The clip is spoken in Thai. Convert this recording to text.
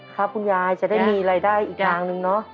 คุณยายจะได้มีรายได้อีกทางนึงเนอะ